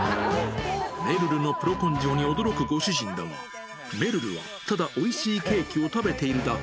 めるるのプロ根性に驚くご主人だが、めるるはただおいしいケーキを食べているだけ。